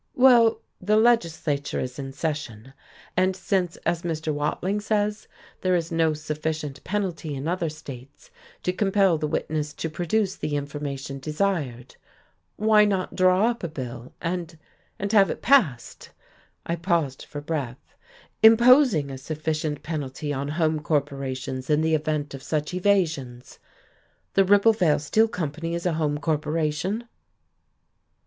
"Well the legislature is in session. And since, as Mr. Watling says, there is no sufficient penalty in other states to compel the witness to produce the information desired, why not draw up a bill and and have it passed " I paused for breath "imposing a sufficient penalty on home corporations in the event of such evasions. The Ribblevale Steel Company is a home corporation."